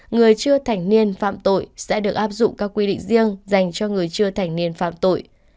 người chưa thành niên phạm tội sẽ được áp dụng các quy định riêng dành cho người chưa thành niên phạm tội